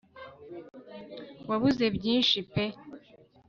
Wabuze byinshi pe